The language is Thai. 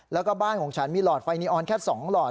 แล้วก็บ้านของฉันมีหลอดไฟนีออนแค่๒หลอด